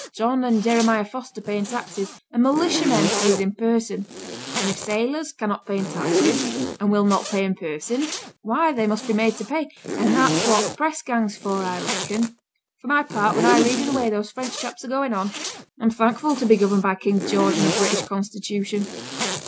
John and Jeremiah Foster pay in taxes, and Militiaman pays in person; and if sailors cannot pay in taxes, and will not pay in person, why they must be made to pay; and that's what th' press gang is for, I reckon. For my part, when I read o' the way those French chaps are going on, I'm thankful to be governed by King George and a British Constitution.'